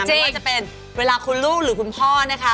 ไม่ว่าจะเป็นเวลาคุณลูกหรือคุณพ่อนะคะ